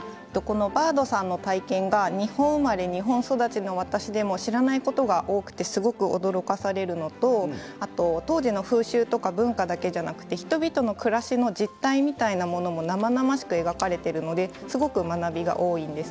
バードさんの体験は日本生まれ日本育ちの私でも知らないことが多くてすごく驚かされるのと当時の風習とか文化だけじゃなく人々の暮らしの実態みたいなものも生々しく描かれているのですごく学びが多いんです。